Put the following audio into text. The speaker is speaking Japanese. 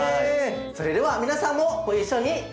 それでは皆さんもご一緒に。